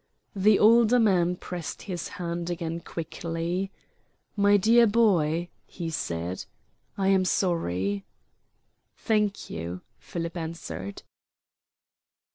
The older man pressed his hand again quickly. "My dear boy," he said, "I am sorry." "Thank you," Philip answered.